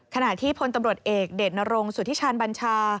ขณะที่พลตำรวจเอกเดชนรงสุธิชานบัญชา